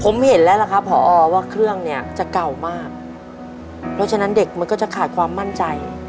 ผมเห็นแล้วล่ะครับผอว่าเครื่องเนี่ยจะเก่ามากเพราะฉะนั้นเด็กมันก็จะขาดความมั่นใจ